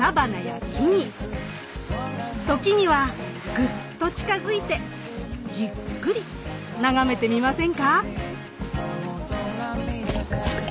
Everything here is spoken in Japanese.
時にはグッと近づいてじっくり眺めてみませんか。